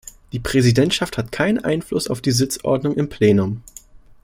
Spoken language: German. Die Präsidentschaft hat keinen Einfluss auf die Sitzordnung im Plenum.